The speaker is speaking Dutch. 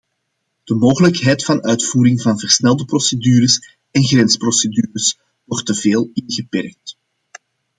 De mogelijkheid van uitvoering van versnelde procedures en grensprocedures wordt te veel ingeperkt.